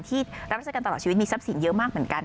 ที่รับราชการตลอดชีวิตมีทรัพย์สินเยอะมากเหมือนกัน